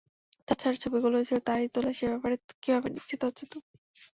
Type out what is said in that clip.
তাছাড়া ছবিগুলো যে তারই তোলা, সে ব্যাপারে কীভাবে নিশ্চিত হচ্ছ তুমি?